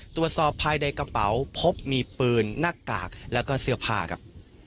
ตรวจสอบภายในกระเป๋าพบมีปืนหน้ากากแล้วก็เสื้อผ้าครับ